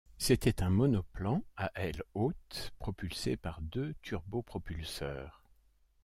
C'était un monoplan à ailes hautes propulsé par deux turbopropulseurs.